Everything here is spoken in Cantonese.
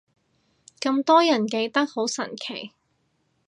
咁多人記得，好神奇